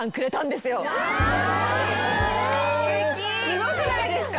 すごくないですか？